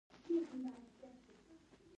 دا مفکورې د انساني غوښتنو سرچینه ګرځي.